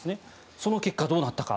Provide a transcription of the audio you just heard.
その結果、どうなったか。